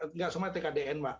tidak semua tkdn pak